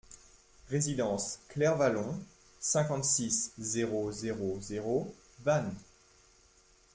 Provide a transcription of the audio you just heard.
Résidence Clair Vallon, cinquante-six, zéro zéro zéro Vannes